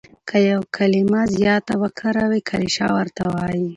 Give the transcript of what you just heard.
که یو کلیمه زیاته وکاروې کلیشه ورته وايي.